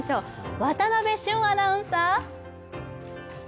渡部峻アナウンサー。